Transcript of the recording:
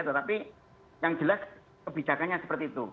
tetapi yang jelas kebijakannya seperti itu